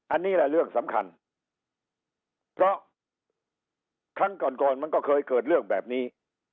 อันนี้แหละเรื่องสำคัญเพราะครั้งก่อนก่อนมันก็เคยเกิดเรื่องแบบนี้